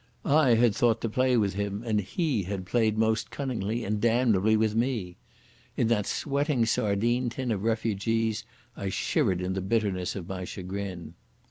I had thought to play with him, and he had played most cunningly and damnably with me. In that sweating sardine tin of refugees I shivered in the bitterness of my chagrin.